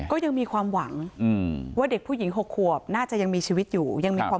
ก็ยังมีความหวังว่าเด็กผู้หญิงหกขวกน่าจะยังมีชัวร์อยู่